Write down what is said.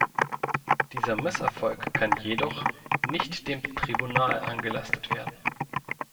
Dieser Misserfolg kann jedoch nicht dem Tribunal angelastet werden.